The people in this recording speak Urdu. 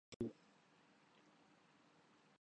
سوال اگر یہ ہو کہ ان میں سے کون محب وطن ہے